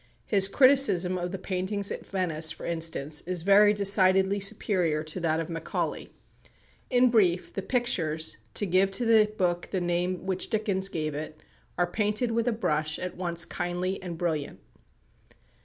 His criticism of the paintings at Venice, for instance, is very decidedly superior to that of Macaulay. In brief the "Pictures," to give to the book the name which Dickens gave it, are painted with a brush at once kindly and brilliant.